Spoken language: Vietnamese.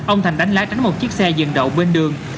ông thành đánh lái tránh một chiếc xe dừng đậu bên đường